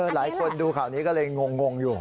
หลายคนดูข่าวนี้ก็เลยงงอยู่